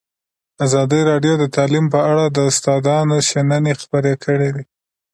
ازادي راډیو د تعلیم په اړه د استادانو شننې خپرې کړي.